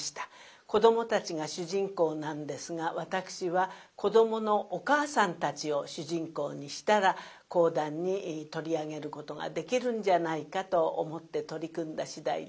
子どもたちが主人公なんですが私は子どものお母さんたちを主人公にしたら講談に取り上げることができるんじゃないかと思って取り組んだ次第です。